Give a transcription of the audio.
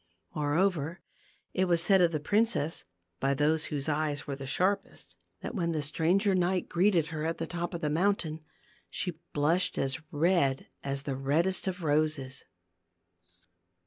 Moreover, it was said of the princess by those whose eyes were sharpest, that when THE GLASS MOUNTAIN. 273 the stranger knight greeted her at the top of the mountain, she blushed as red as the reddest of roses.